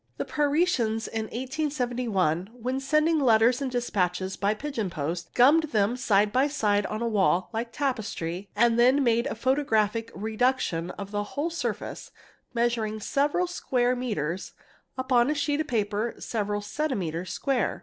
The Parisians in 1871, when sending letters and despatches by pigeon post, gummed them | side by side upon a wall (like tapestry) and then made a photographic reduction of the whole surface (measuring several square metres) upon — a sheet of paper several centimetres square.